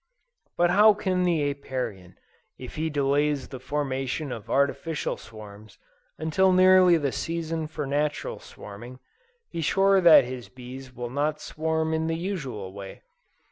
But how can the Apiarian, if he delays the formation of artificial swarms until nearly the season for natural swarming, be sure that his bees will not swarm in the usual way?